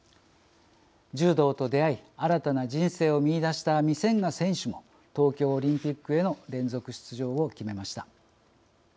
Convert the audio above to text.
柔道と出会い新たな人生を見出したミセンガ選手も東京オリンピックへの連続出場を決めました。